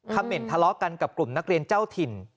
เหม็นทะเลาะกันกับกลุ่มนักเรียนเจ้าถิ่น